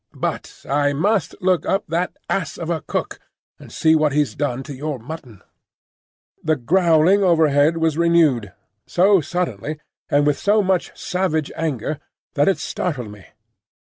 But I must look up that ass of a cook, and see what he's done to your mutton." The growling overhead was renewed, so suddenly and with so much savage anger that it startled me.